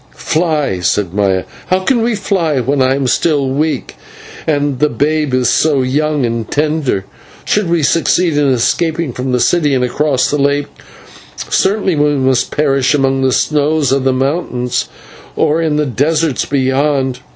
"Fly!" said Maya, "how can we fly when I am still weak and the babe is so young and tender? Should we succeed in escaping from the city and across the lake, certainly we must perish among the snows of the mountains or in the deserts beyond.